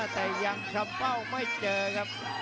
แต่ยังทำเป้าไม่เจอครับ